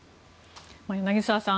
柳澤さん